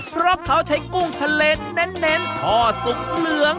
เพราะเขาใช้กุ้งทะเลเน้นทอดสุกเหลือง